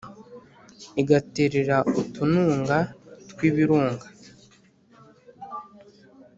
Igaterera utununga tw'ibirunga